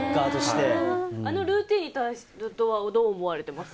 あのルーティンに対するのはどう思います？